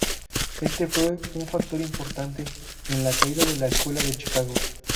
Este fue un factor importante en la caída de la escuela de Chicago.